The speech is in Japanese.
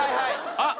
あっ。